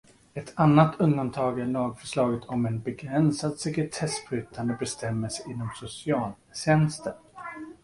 Ett annat undantag är lagförslaget om en begränsad sekretessbrytande bestämmelse inom socialtjänsten.